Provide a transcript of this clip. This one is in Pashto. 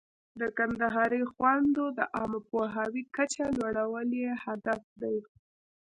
د کندهاري خویندو د عامه پوهاوي کچه لوړول یې هدف دی.